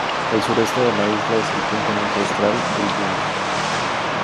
El sureste de la isla es el punto más austral del Yemen.